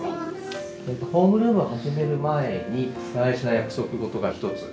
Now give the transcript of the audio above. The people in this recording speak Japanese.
ホームルームを始める前に大事な約束事が一つあります。